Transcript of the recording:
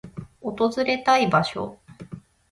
訪れたい場所